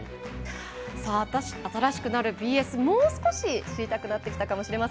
新しくなるＢＳ、もう少し知りたくなってきたでしょうか。